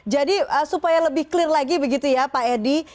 jadi supaya lebih clear lagi begitu ya pak edi